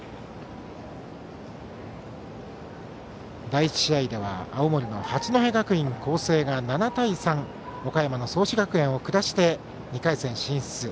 第１試合では青森の八戸学院光星が７対３で岡山の創志学園を下して２回戦進出。